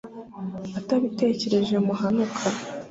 atabitekerereje muhanuka